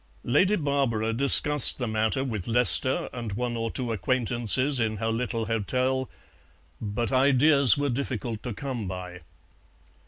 Lady Barbara discussed the matter with Lester and one or two acquaintances in her little hotel, but ideas were difficult to come by.